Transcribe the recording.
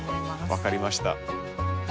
分かりました。